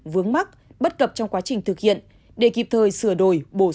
vướng mắt bất cập trong quá trình thực hiện để kịp thời sửa đồ